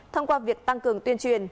thông qua việc tăng cường tuyên truyền